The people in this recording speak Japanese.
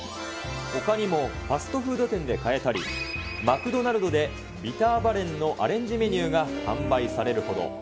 ほかにもファストフード店で買えたり、マクドナルドでビターバレンのアレンジメニューが販売されるほど。